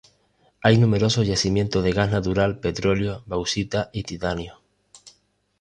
Hay numerosos yacimientos de gas natural, petróleo, bauxita y titanio.